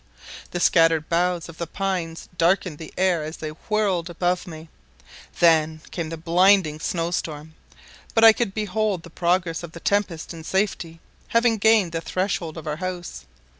The scattered boughs of the pines darkened the air as they whirled above me; then came the blinding snow storm: but I could behold the progress of the tempest in safety, having gained the threshold of our house.